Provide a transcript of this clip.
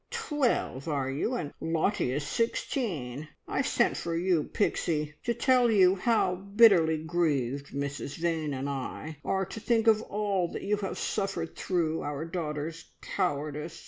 "Twelve, are you, and Lottie is sixteen! I sent for you, Pixie, to tell you how bitterly grieved Mrs Vane and I are to think of all you have suffered through our daughter's cowardice.